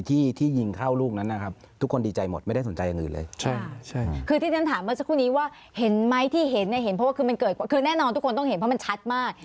ทุกคนต้องเห็นเพราะมันชัดมาก